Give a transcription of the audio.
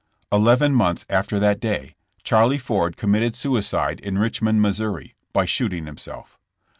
Eleven months after that day, Charlie Ford committed suicide in Richmond, Mo., by shooting him self.